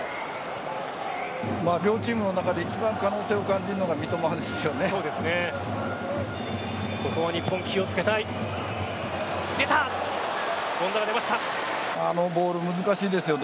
両チームの中で一番可能性を感じるのは三笘ですね。